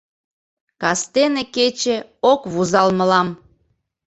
Кастене кече ок вузал мылам